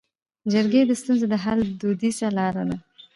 جرګې د ستونزو د حل دودیزه لاره ده